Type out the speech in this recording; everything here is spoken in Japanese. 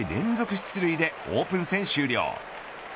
出塁でオープン戦終了。